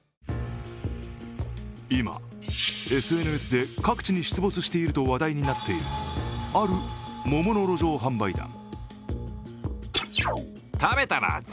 今、ＳＮＳで各地に出没していると話題になっているある桃の路上販売団。